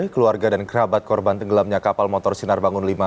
keluarga dan kerabat korban tenggelamnya kapal motor sinar bangun v